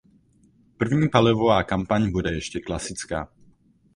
První palivová kampaň bude ještě klasická.